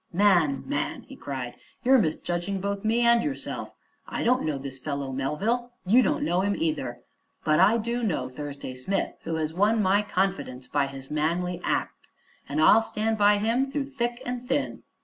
"Man, man!" he cried, "you're misjudging both me and yourself, I don't know this fellow Melville. You don't know him, either. But I do know Thursday Smith, who has won my confidence and by his manly acts, and I'll stand by him through thick and thin!"